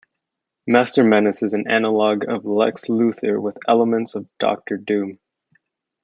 Master Menace is an analogue of Lex Luthor with elements of Doctor Doom.